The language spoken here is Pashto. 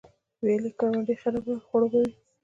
ویالې کروندې خړوبوي